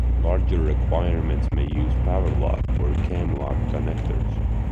Larger requirements may use powerlock or camlock connectors.